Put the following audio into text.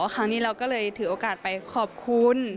ครั้งนี้เราก็เลยถือโอกาสไปขอบคุณ